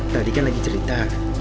tadi kan lagi cerita